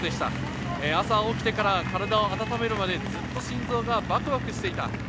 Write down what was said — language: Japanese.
朝起きてから体を温めるまで、ずっと心臓がワクワクしていた。